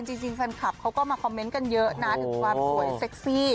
จริงแฟนคลับเขาก็มาคอมเมนต์กันเยอะนะถึงความสวยเซ็กซี่